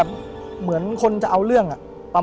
ผมก็ไม่เคยเห็นว่าคุณจะมาทำอะไรให้คุณหรือเปล่า